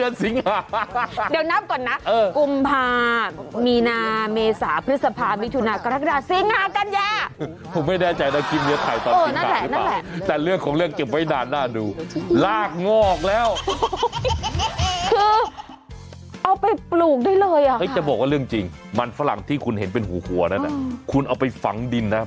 งอกออกมาได้ไหมนะจริงจริงคือมันมันแตกแตกรากแตกแขนง